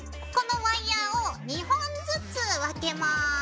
このワイヤーを２本ずつ分けます。